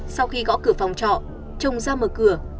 sau khi gõ cửa phòng trọ chồng ra mở cửa